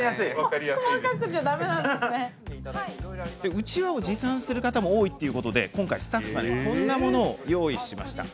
うちわを持参する方も多いということで、今回スタッフがこんなものを用意しました。